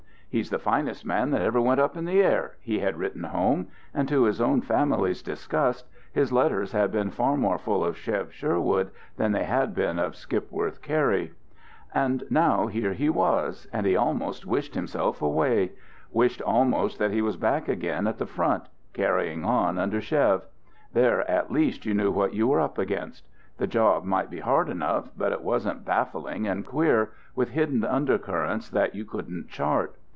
"He's the finest man that ever went up in the air," he had written home; and to his own family's disgust, his letters had been far more full of Chev Sherwood than they had been of Skipworth Cary. And now here he was, and he almost wished himself away wished almost that he was back again at the Front, carrying on under Chev. There, at least, you knew what you were up against. The job might be hard enough, but it wasn't baffling and queer, with hidden undercurrents that you couldn't chart.